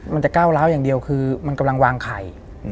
มันจะก้าวร้าวอย่างเดียวคือมันกำลังวางไข่